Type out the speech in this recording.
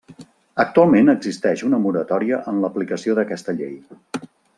Actualment existeix una moratòria en l'aplicació d'aquesta llei.